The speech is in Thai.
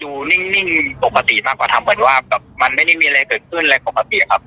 อยู่นิ่งปกติมากกว่าทำเหมือนว่าแบบมันไม่ได้มีอะไรเกิดขึ้นอะไรปกติครับ